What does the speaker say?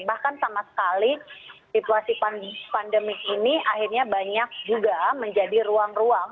bahkan sama sekali situasi pandemi ini akhirnya banyak juga menjadi ruang ruang